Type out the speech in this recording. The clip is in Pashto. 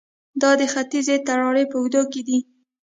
دا د ختیځې تراړې په اوږدو کې دي